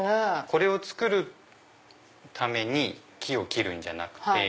これを作るために木を切るんじゃなくて。